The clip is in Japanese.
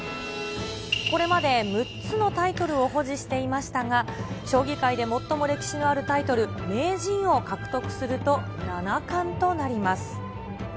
これまで、６つのタイトルを保持していましたが、将棋界で最も歴史のあるタイトル、名人を獲得すると七冠となります。